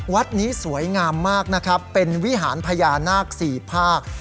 วัดนี้สวยงามมากนะครับเป็นวิหารพญานาคสี่ภาค